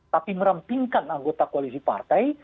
tapi merampingkan anggota koalisi partai